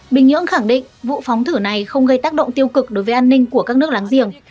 bình nhưỡng khẳng định vụ phóng thử này không gây tác động tiêu cực đối với an ninh của các nước láng giềng